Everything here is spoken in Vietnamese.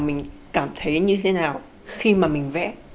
mình cảm thấy như thế nào khi mà mình vẽ